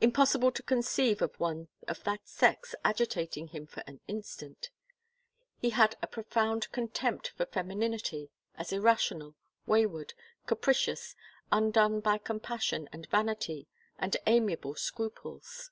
Impossible to conceive of one of that sex agitating him for an instant ! He had a profound contempt for femininity as irrational, wayward, capricious, tmdone by compassion and vanity and amiable scruples.